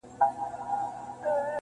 • د هغه غرور په دام کي بندیوان سي -